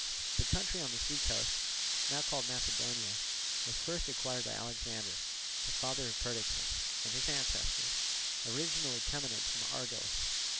The country on the sea coast, now called Macedonia, was first acquired by Alexander, the father of Perdiccas, and his ancestors, originally Temenids from Argos.